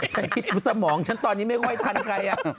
ฉันคิดดูสมองฉันตอนนี้ไม่ค่อยทันใคร